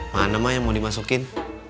mana mah yang mau dimasukin